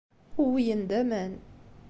Uwyen-d aman.